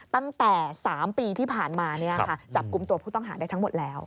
ตั้งแต่๓ปีที่ผ่านมาจับกลุ่มตัวผู้ต้องหาได้ทั้งหมดแล้ว